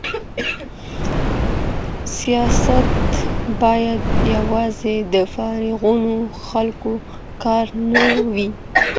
سياست بايد يوازي د فارغو خلګو کار نه وي.